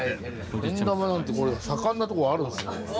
けん玉なんて盛んな所あるんですね。